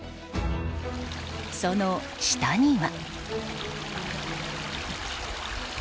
その下には。